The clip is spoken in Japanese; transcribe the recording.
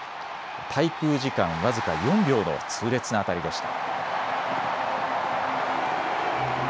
滞空時間僅か４秒の痛烈な当たりでした。